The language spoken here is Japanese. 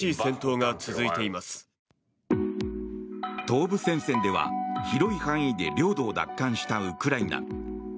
東部戦線では広い範囲で領土を奪還したウクライナ。